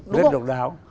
nên độc đáo